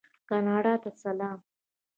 کاناډا ته سلام.